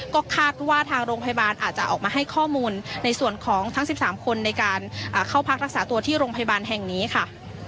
ก็คาดว่าทางโรงพยาบาลอาจจะออกมาให้ข้อมูลในส่วนของทั้ง๑๓คนในการเข้าพักรักษาตัวที่โรงพยาบาลแห่งนี้ค่ะ